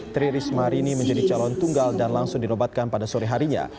tri risma hari ini menjadi calon tunggal dan langsung dirobatkan pada sore harinya